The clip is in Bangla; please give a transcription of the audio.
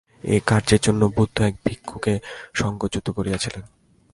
এই কার্যের জন্য বুদ্ধ এক ভিক্ষুকে সঙ্ঘচ্যুত করিয়াছিলেন।